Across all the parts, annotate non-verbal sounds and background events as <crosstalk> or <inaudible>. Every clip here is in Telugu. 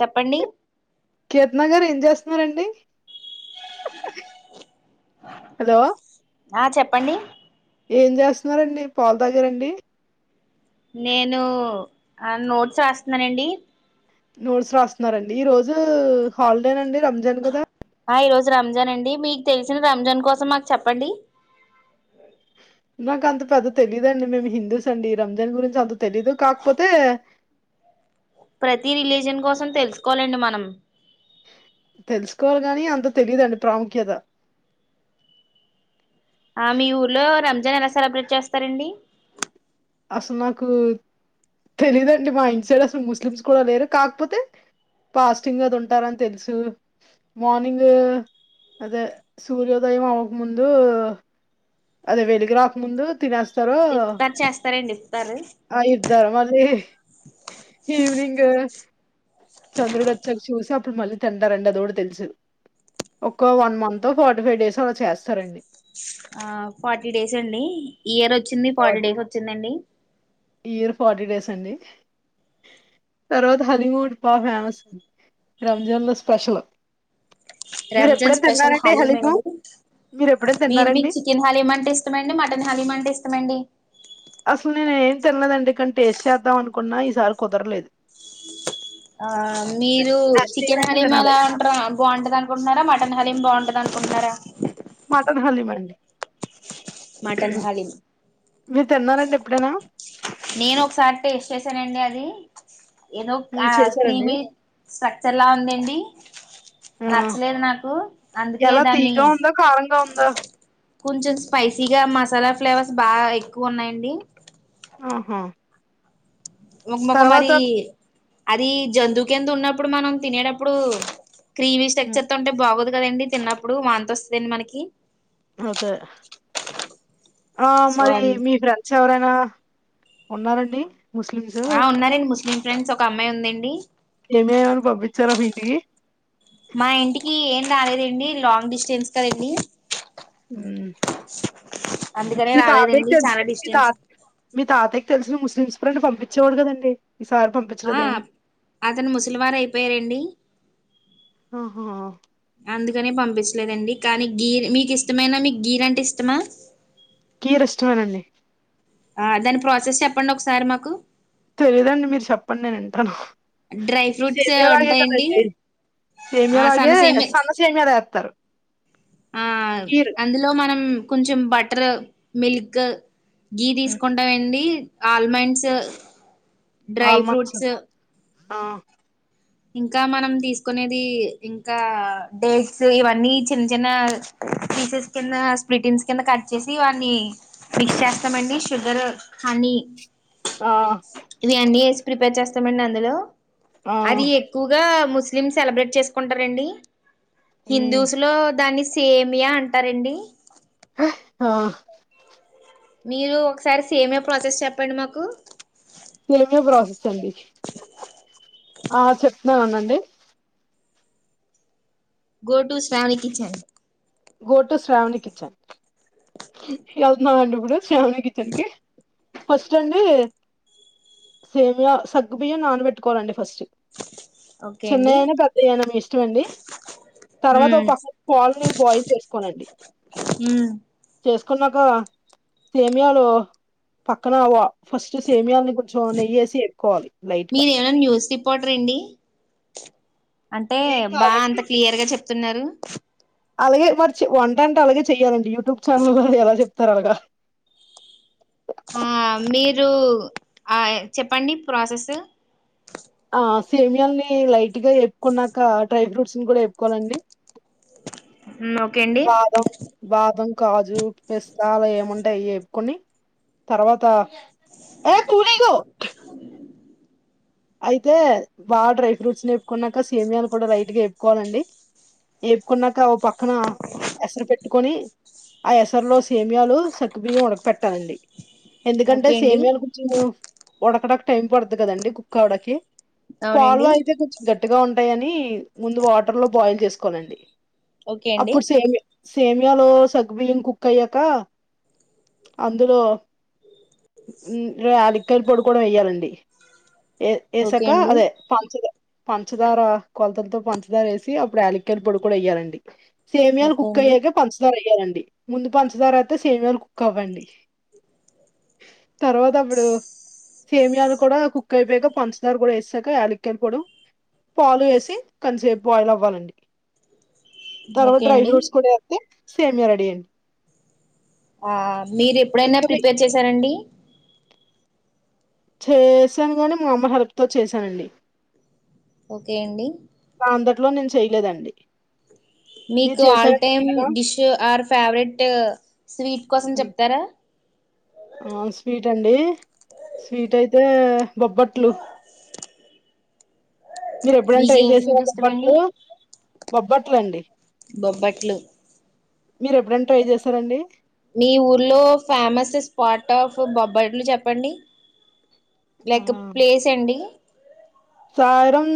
చెప్పండి కేత్నగారు ఏం ఇంజస్ అండి ఆ చెప్పండి ఏం చేస్తున్నారండి పాలు దగ్గరండి నేను నోట్స్ రాస్తున్నానండి నోట్స్ రాస్తున్నండి ఈ రోజు హాలిడే నండి రంజాన్ కదా ఆ ఈ రోజు రంజాన్ అండి మీకు తెలిసిన రంజాన్ కోసం మాకు చెప్పండి నాకు అంత పెద్ద తెలీదుండి మేము హిందూస్ అండి రంజాన్ గురించి అంత తెలీదు కాకపోతే ప్రతి రిలీజియన్ కోసం తెలుసుకోవాలండి మనం తెలుసుకోవాలి గాని అంత తెలిదుండి ప్రాముఖ్యత ఆ మీ ఊర్లో రంజాన్ ఎలా సెలబ్రేట్ చేస్తారండి అసలు నాకు తెలియదండి మా ఇంటి సైడ్ అసలు ముస్లిమ్స్ కూడా లేరు కాకపోతే పాస్టింగ్ అది ఉంటారని తెలుసు మార్నింగ్ అదే సూర్యోదయం అవ్వక ముందు అదే వెలిగు రాక ముందు తినేస్త ఇఫ్తార్ చేస్తారండి ఇఫ్తార్ ఆ ఇర్దార మళ ఈవనింగ్ చంద్రుడుచ్చకు చూసా అడు మళ్లీ తింటారు అది కూడా తెలుసు ఒక one month forty five days అలా చేస్తారండి ఆ ఫార్టీ డేస్ అండి ఇయర్ వచ్చింది ఫార్టీ డేస్ వచ్చిందండి ఇయర్ ఫార్టీ డేస్ అండి తర్వాత హలీమూడ్ పా ఫేమస్ రంజాన్ లో స్పెషల్ మీరు రంజాన్ ఎప్పుడైనా స్పెషల్ తిన్నారండి హలీం హలీము అండి మీరు ఎప్పుడైనా మీరు మీకు తిన్నారండి చికెన్ హలీం అంటే ఇష్టమండి మటన్ హలీమంటే ఇష్టమండి అసలు నేనే ఏం తెలియదండి కనీ టేస్ చేద్దాం అనుకున్నా ఈసారి కుదరలేదు ఆ మీరు నెక్స్ట్ ఇయర్ చికెన్ అయినా హలీం తినాలి ఎలా ఉంటారు బాగుంటది అనుకుంటున్నారా మటన్ హలీం బాగుంటది అనుకున్నారా మటన్ హలీం అండి ఉహ మటన్ హలీం మీరు తిన్నారా అండి ఎప్పుడైనా నేను ఒకసారి టేస్ట్ చేసానండి అది ఏదో ఆ చేసారండి క్రీమీ స్ట్రక్చర్ల ఉందండి ఆ నచ్చలేదు నాకు అందుకే దాన్ని ఆ కొంచెం స్పైసీగా మసాలా ఫ్లేవర్స్ బాగా ఎక్కువ ఉన్నాయండి ఆహా ఒంగుమక తర్వాత మరి అది జంతువు కింద ఉన్నప్పుడు మనం తినేటప్పుడు క్రీమీ హ్మ్. స్ట్రక్చర్ త ఉంటే బాగోదు కదండి తిన్నప్పుడు వాంత వస్తుందండి మనకి ఓకే ఆ సో మరి అ మీ ఫ్రెండ్స్ ఎవరైనా ఉన్నారండి ముస్లిమ్స్ ఆ ఉన్నారండి ముస్లిం ఫ్రెండ్స్ ఒక అమ్మాయి ఉందండి ఏమేమని పంపించారా వీటికి మా ఇంటికి ఏం రాలేదండి లాంగ్ డిస్టెన్స్ కదండి ఉ అందుకనే రాలేదండి మితాత చాలా మితా డిస్టెన్స్ మితాత తెలిసిన ముస్లిం ఫ్రెండ్స్ పంపించేవాడు కదండి ఈసారి ఆ పంపించలేదేమి అతను ముసలివారు అయిపోయారండి ఆహా నే పంపించలేదండి కానీ గీర్ మీకు ఇష్టమనా మీకు గీర్ అంటే ఇష్టమా కేర్ ఇష్టమేనండి ఆ దాని ప్రాసెస్ చెప్పండి ఒకసారి మాకు తెలిదండి మీరు చెప్పండి నేను వింటాను డ్రై ఫ్రూట్స్ సేమయాలాగే ఉంటాయండి కదండి ఆ సేమయాలాగే సనసేమి సన్న సేమ్యాలు ఎత్తారు ఆ అందులో మనం కొంచెం బటర్ మిల్క్ గీ హ్మ్. తీసుకుంటా అండి ఆల్మండ్స్ డ్రై ఆల్మండ్స్ ఫ్రూట్స్ ఆ ఇంకా మనం తీసుకునేది ఇంకా డేట్స్ ఇవన్నీ చిన్న చిన్న పీసెస్ కింద ప్రోటీన్స్ కింద కట్ చేసి వాని మిక్స్ చేస్తామండి షుగర్ హనీ ఆ ఇవి అన్నీ వేసి ప్రిపేర్ చేస్తామండి అందులో ఆ అది ఎక్కువగా ముస్లిం సెలబ్రేట్ చేసుకుంటారండి మ్ హిందుస్లో దాన్ని సేమియా అంటారండి హ ఆ మీరు ఒకసారి సేమియా ప్రాసెస్ చెప్పండి మాకు సేమియా ప్రాసెస్ అండి ఆ చెప్తున్నాను అండి go to Shravani kitchen go to Shravani kitchen వెళ్తున్నాండి ఇప్పుడు శ్యావణి కిచెన్ కి ఫస్ట్ అండి సేమియ సగ్గుబియ్య నానబెట్టుకోవాలండి ఫస్ట్ ఓకే అండి చిన్నయనా పెద్దయ్యానా మీ ఇష్టం అండి తర్వాత ఉమ్ ఒక పక్క పాల్ ని బాయిల్ చేసుకోవాలి అండి ఉ చేసుకున్నాక సేమియాలు పక్కన అవ ఫస్ట్ సేమియాలని కొంచెం నెయ్యేసి ఎక్క్కోవాలి లైట్గా మీరేమైనా న్యూస్ రిపోర్టర్ అండి అంటే బా కాదండి అంత క్లియర్ గా చెప్తున్నారు అలాగే మరి వంట అంటే అలాగే చెయాలండి యూట్యూబ్ ఛానల్ వా ఎలా చెప్తారు అలాగా ఆ మీరు చెప్పండి ప్రాసెస్ సేమియాల్ని లైట్ గా ఎప్పుకున్నాక డ్రై ఫ్రూట్స్ ని కూడా ఎప్పుకోవాలండి ఓకే అండి బాదం బాదం కాజు పిస్తా ఏముంటాయి ఏపుకొని తర్వాత ఏ తూనిగా అయితే బాగా డ్రై ఫ్రూట్స్ ని ఎప్పుకున్నాక సేమియాను కూడా రైట్ గా ఎప్పుకోవాలండి ఏపుకున్నాక ఓ పక్కన ఎసరు పెట్టుకొని ఆ ఎసరులో సేమియాలు సకుబియ్యం ఉడకపెట్టాలండి ఎందుకంటే ఓకే అండి సేమియాలు కొంచెం ఉడకడక టైం పడుతు కదండి కుక్ అవడాకి పాలు అవునండి అయితే కొంచెం గట్టిగా ఉంటాయని ముందు వాటర్ లో బాయిల్ చేసుకోవాలండి ఓకే అండి అప్పుడు సేమి సేమియాలో సగ్గుబియ్యం కుక్ అయ్యాక అందులో యాలక్కాయ్ పొడి కూడా వెేయ్యాలండి ఏ ఓకే ఏసక అండి అదే ఫంచద పంచదార కొలతలతో పంచదార వేసి అప్పుడు యాలక్కయల పొడి కూడా ఎయ్యాలాండి సేమియాలు ఓకే కుక్ అండి అయ్యాక పంచదార అయ్యాలండి ముందు పంచదారా యితే సేమ్ వేలు కుక్ అవండి తర్వాత అప్పుడు సేమియాలు కూడా కు వేగా పంచదారు కూడా వేసాక యాలక్కయలు పోడు పాలు వేసి కొంతసేపు బాయిల్ అవ్వాలండి తర్వాత ఓకే డ్రై అండి ఫ్రూట్స్ కూడా ఎతే సేమీయా రెడీ అండి మీరు ఎప్పుడైనా ఇంకా మీ ప్రిపేర్ చేశారండి చేశాను గానీ మా అమ్మ హెల్ప్ తో చేసానండి ఓకే అండి అందట్లో నేను చేయలేదండి మీరు మీకు ఆల్ చేశారా టైమ్ ఎప్పుడైనా? డిష్ ఆర్ ఫేవరెట్ స్వీట్ కోసం చెప్తారా ఆ స్వీట్ అండి స్వీట్ అయితే బొబ్బట్లు మీరు ఎప్పుడైనా మీకు ట్రై ఏం చేసేర స్వీట్ ఇష్టమండి బొబ్బట్లు బొబ్బట్లు అండి బొబ్బట్లు మీరు ఎప్పుడైనా ట్రై చేసారండి మీ ఊర్లో ఫేమస్ స్పాట్ ఆఫ్ బొబ్బట్లు చెప్పండి లైక్ ప్లేస్ అండి సాయిరాం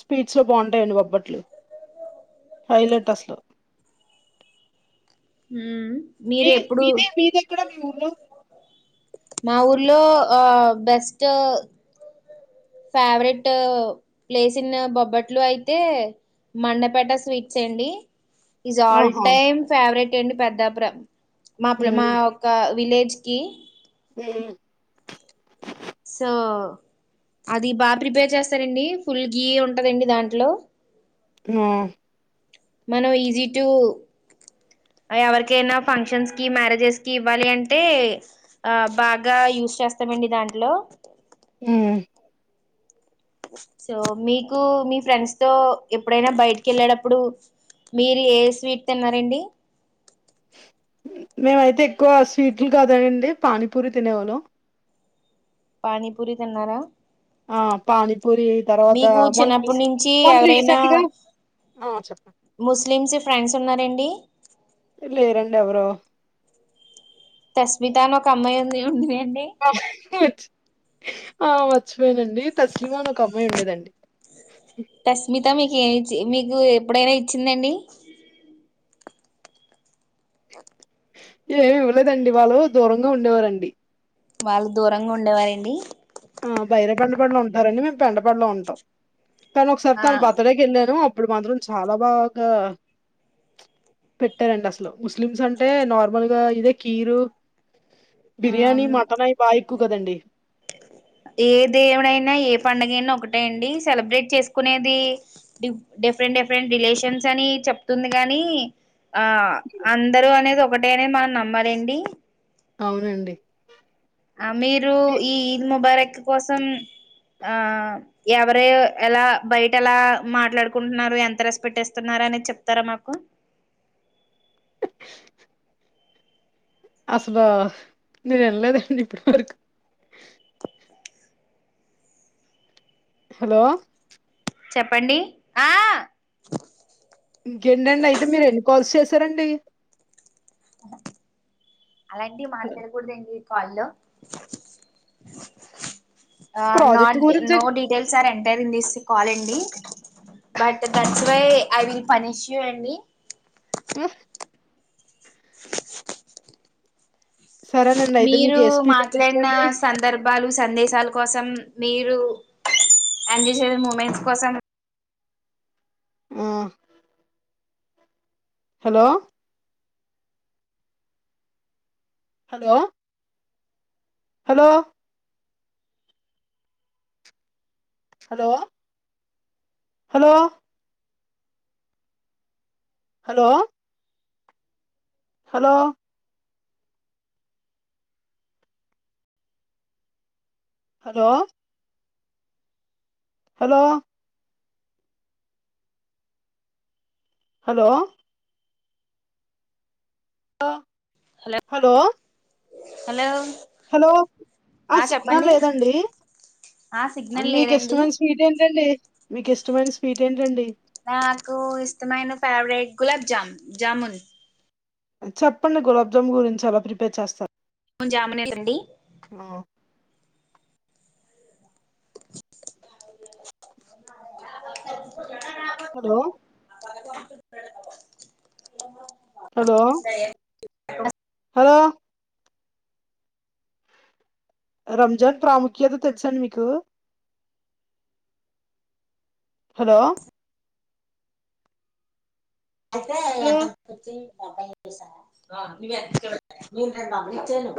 స్పీడ్స్ లో బాగుంటాయండి బోబ్బట్లు హై లైట్ అసలు హూ మీర మీ ఎప్పుడు మీది మీదెక్కడ మీ ఊర్లో మా ఊర్లో ఆ బెస్ట్ ఫేవరెట్ ప్లేస్ ఇన్న బొబ్బట్లు అయితే మండపేట స్వీట్స్ ఏండి ఈస్ ఆల్ ఆహా టైమ్ ఫేవరెట్ అండి పెద్ద మా ప్ర మా హ్మ్ ఒక్క విలేజ్ ఏజెకి ఉ సో అది బాగా ప్రిపేర్ చేస్తారండి ఫుల్ గీ ఉంటదండి దాంట్లో ఆ మనం ఈజీ టు ఎవరికైనా ఫంక్షన్స్ కి, మ్యారేజెస్ కి ఇవ్వాలి అంటే, ఆ బాగా యూజస్ చేస్తామండి దాంట్లో. మ్ సో మీకు మీ ఫ్రెండ్స్ తో ఎప్పుడైనా బయటికి వెళ్ళేటప్పుడు, మీరు ఏ స్వీట్ తిన్నారండి. మేమైతే ఎక్కువ స్వీట్లు కాదాండి, పానీపూరి తినేవాళ్ళు. పానీ పూరి తిన్నారా? ఆ పానీపూరి తర్వాత మీకు మొన్న చిన్నప్పటి రీస్ నుంచి మొన్న ఎవరైనా రీసెంట్ గా ఆ చెప్పండి ముస్లిమ్స్ ఫ్రెండ్స్ ఉన్నారండి? లే రండి ఎవరు. తస్మితాని ఒక అమ్మాయింది. ఉండు మే ఆ మర్చిపోయినానండి తస్లిమా అని ఒక అమ్మాయి ఉండేదండి. తస్మిత మీకు ఏమిచ్చ మీకు ఎప్పుడైనా ఇచ్చిందాండి? ఏమి ఇవ్వలేదండి. వాళ్ళు దూరంగా ఉండేవారండి. వాళ్ళు దూరంగా ఉండేవారండి. ఆ బైర పెండ పడులు ఉంటారండి, మేము పెండ పడులో ఉంటాం. తను ఒకసారి ఆ తన బర్తడేకి వెళ్ళాను అప్పుడు మాత్రం చాలా బాగా పెట్టారండి. అసలు ముస్లిమ్స్ అంటే నార్మల్గా ఇదే కీరు బిర్యానీ మటన్ అవి బా ఎక్కువ కదండి. ఏ దేవుడైనా ఏ పండుగ అయినా ఒకటే అండి. సెలబ్రేట్ చేసుకునేది డిఫె డిఫరెంట్ రిలేషన్స్ అని చెప్తుంది గానీ డిఫరెంట్ ఆ అందరూ అనేది ఒకటే అనే మనమ్మాలండి. అవునండి. ఆ మీరు ఎ ఈ ఈద్ ముబారక్ కోసం. ఆ ఎవర ఎలా బయట ఎలా మాట్లాడుకుంటున్నారు ఎంత రెస్పెక్ట్ ఇస్తున్నారు అనే చెప్తారా మాకు? <inaudible> అసలు నేను వినలేదండి ఇప్పటి వరకు. హలో!. చెప్పండి ఆ ఇంకేంటండి, అయితే మీరు ఎన్ని కాల్స్ చేసారండి. అలాంటివి మాట్లాడకూడదండి. కాల్ ప్రాజెక్ట్ నాట్ గురించి no detail enter ten days కాలండి but that's why I will punish you అండి. హ్మ్. <inaudible> సరేనండి అయితే మీకు మీరు ఏ స్పీడ్ అంటే ఇష్టం మాట్లాడిన అండి సందర్భాలు, సందేశాలు కోసం మీరు ఎంజాయ్ చేసే మూమెంట్స్ కోసం. మ్ hello! Hello! Hello! Hello! Hello! Hello! Hello! Hello! Hello! Hello! లో హలో హలో హలో ఆ సిగ్నల్ లేదండి. ఆ సిగ్నల్ మీకు లేదండి ఇష్టమైన స్వీట్ ఏంటండి? మీకు ఇష్టమైన స్వీట్ ఏంటండి? నాకు ఇష్టమైన ఫేవరెట్ గులాబ్ జామ్ జాముూన్. చెప్పండి గులాబ్జామున్ గురించి ఎలా ప్రిపేర్ చేస్తారు? మన జాముూన్ ఏంటండి? అ హలో హలో హలో రంజాన్ ప్రాముఖ్యత తెలుసా మీకు. హలో అయితేే హలో అతను కొచ్చి బై పి సి ఆమె నేను చేయను.